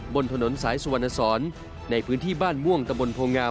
บนถนนสายสวรรณสรรค์ในพื้นที่บ้านม่วงตะมนต์โภงงาม